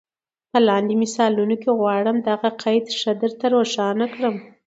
په لاندي مثالونو کي غواړم دغه قید ښه در ته روښان کړم.